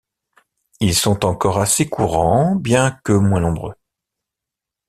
Ils sont encore assez courants bien que moins nombreux.